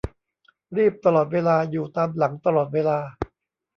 รีบตลอดเวลา อยู่ตามหลังตลอดเวลา